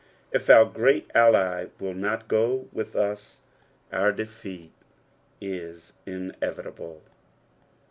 If our great ally will not go with us our defeat is inevitable.